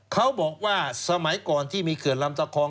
เขาบอกว่าสมัยก่อนที่มีเขื่อนลำตะคอง